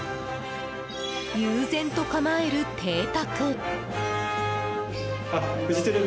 悠然と構える邸宅。